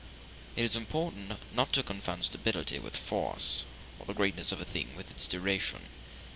It is important not to confound stability with force, or the greatness of a thing with its duration.